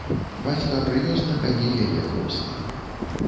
Бацька прывёз на кані яе кросны.